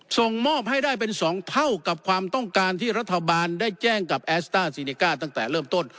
ส่งมอบให้ได้เป็น๒เท่ากับความต้องการที่รัฐบาลได้แจ้งกับแอสต้าซีเนก้าตั้งแต่เริ่มต้น